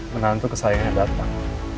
menantu kesayangannya batman